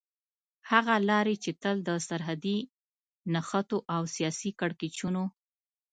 هغه لارې چې تل د سرحدي نښتو او سياسي کړکېچونو